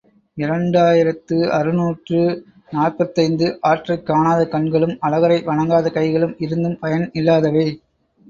இரண்டு ஆயிரத்து அறுநூற்று நாற்பத்தைந்து ஆற்றைக் காணாத கண்களும் அழகரை வணங்காத கைகளும் இருந்தும் பயன் இல்லாதவை.